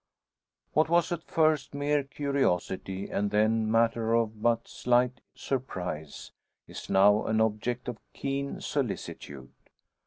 What was at first mere curiosity, and then matter of but slight surprise, is now an object of keen solicitude.